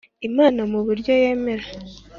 Imana mu buryo yemera.